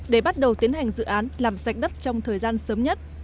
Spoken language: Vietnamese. để bắt đầu tiến hành dự án làm sạch đất trong thời gian sớm nhất